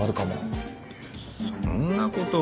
えっそんなことは。